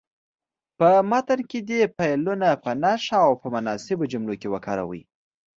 په متن کې دې فعلونه په نښه او په مناسبو جملو کې وکاروئ.